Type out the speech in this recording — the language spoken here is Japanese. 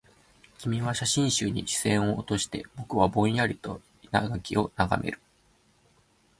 君は写真集に視線を落として、僕はぼんやりと生垣を眺める